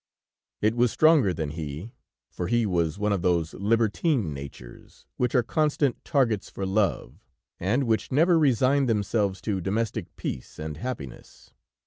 It was stronger than he, for his was one of those libertine natures which are constant targets for love, and which never resign themselves to domestic peace and happiness.